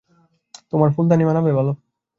তোমার ফুলদানি মানাবে ভালো।